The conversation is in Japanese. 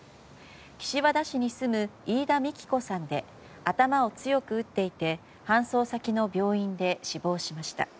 岸和田市に住む飯田未希子さんで頭を強く打っていて搬送先の病院で死亡しました。